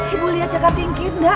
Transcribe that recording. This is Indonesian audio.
ibu lihat jaka tingkir